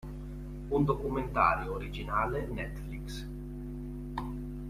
Un documentario originale Netflix.